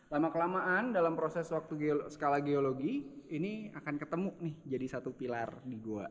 lama kelamaan dalam proses waktu skala geologi ini akan ketemu nih jadi satu pilar di gua